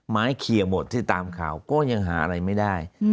เคลียร์หมดที่ตามข่าวก็ยังหาอะไรไม่ได้